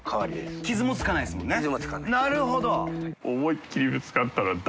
なるほど！